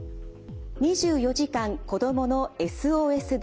２４時間子どものＳＯＳダイヤル。